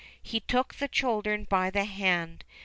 He took the children by the hand.